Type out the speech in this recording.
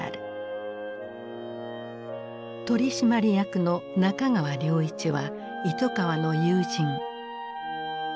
取締役の中川良一は糸川の友人。